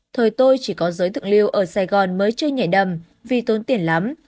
thời tôi chỉ có giới tự lưu ở sài gòn mới chơi nhảy đầm vì tốn tiền lắm